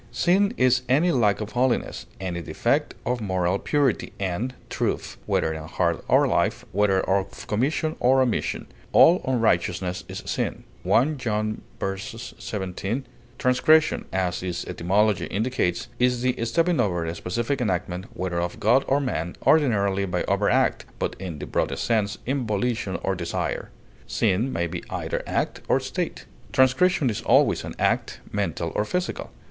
Sin is any lack of holiness, any defect of moral purity and truth, whether in heart or life, whether of commission or omission. "All unrighteousness is sin," 1 John v, 17. Transgression, as its etymology indicates, is the stepping over a specific enactment, whether of God or man, ordinarily by overt act, but in the broadest sense, in volition or desire. Sin may be either act or state; transgression is always an act, mental or physical.